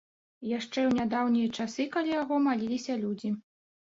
Яшчэ ў нядаўнія часы каля яго маліліся людзі.